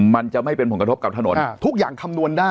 มันจะไม่เป็นผลกระทบกับถนน